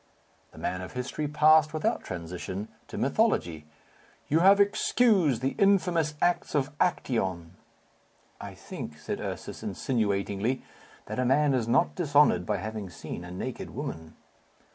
The man of history passed, without transition, to mythology. "You have excused the infamous acts of Actæon." "I think," said Ursus, insinuatingly, "that a man is not dishonoured by having seen a naked woman."